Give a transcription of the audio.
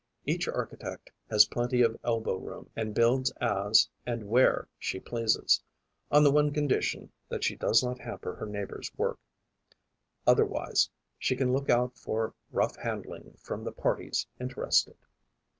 Each architect has plenty of elbow room and builds as and where she pleases, on the one condition that she does not hamper her neighbours' work; otherwise she can look out for rough handling from the parties interested.